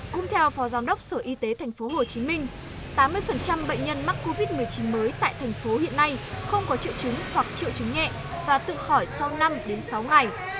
cũng theo phó giám đốc sở y tế tp hcm tám mươi bệnh nhân mắc covid một mươi chín mới tại thành phố hiện nay không có triệu chứng hoặc triệu chứng nhẹ và tự khỏi sau năm đến sáu ngày